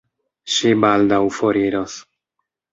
Ŝi baldaŭ foriros.